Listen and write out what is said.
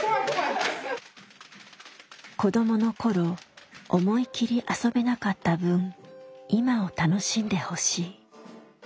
子どもの頃思い切り遊べなかった分今を楽しんでほしい。